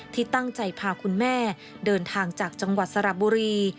ที่ตั้งใจพาคุณแม่เดินทางจากจังหวัดสระบุรี